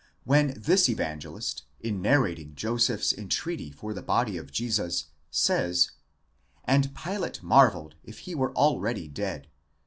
When this Evangelist, in narrating Joseph's entreaty for the body of Jesus, says: And Pilate marvelled if he wére already dead (v.